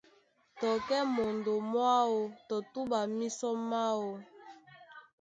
Tɔ kɛ́ mondó mwáō tɔ túɓa mísɔ máō.